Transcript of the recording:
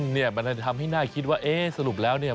เนี่ยมันจะทำให้น่าคิดว่าเอ๊ะสรุปแล้วเนี่ย